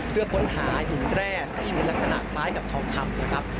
เพื่อค้นหาหินแร่ที่มีลักษณะคล้ายกับทองคำนะครับ